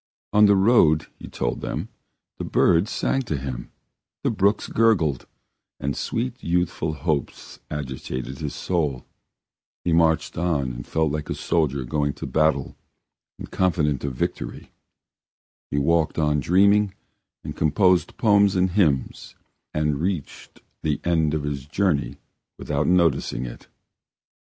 On the road, he told them, the birds sang to him, the brooks gurgled, and sweet youthful hopes agitated his soul; he marched on and felt like a soldier going to battle and confident of victory; he walked on dreaming, and composed poems and hymns, and reached the end of his journey without noticing it.